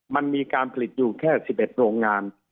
มันมีการผลิตอยู่แค่๑๑โรงงาน